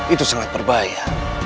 itu sangat berbahaya